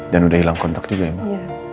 dan udah hilang kontak juga ya emang